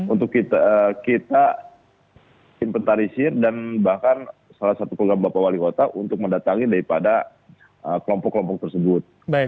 untuk kita inventarisir dan bahkan salah satu kegambar pak waliwata untuk mendatangi daripada kelompok kelompok tersebut